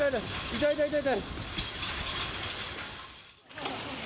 痛い、痛い、痛い。